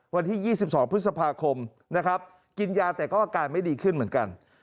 วันที่๒๒พฤษภาคมนะครับกินยาแต่ก็อาการไม่ดีขึ้นเหมือนกัน